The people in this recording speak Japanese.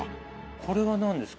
これは何ですか？